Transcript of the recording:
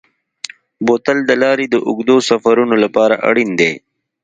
بوتل د لارې د اوږدو سفرونو لپاره اړین دی.